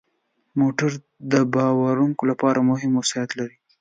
موټر د بار وړونکو لپاره مهم وسایط لري.